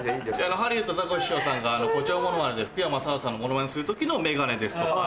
ハリウッドザコシショウさんが誇張モノマネで福山雅治さんのモノマネする時のメガネですとか。